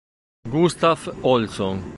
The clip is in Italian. Gustaf Olson